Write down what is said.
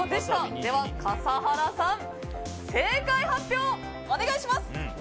では笠原さん、正解発表をお願いします。